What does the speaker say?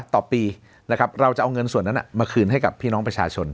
ต่อปีนะครับเราจะเอาเงินส่วนนั้นมาคืนให้กับพี่น้องประชาชน